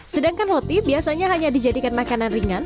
sedangkan roti biasanya hanya dijadikan makanan ringan